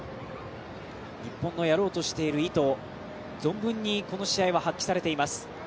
日本のやろうとしている意図、存分に、この試合は発揮されています。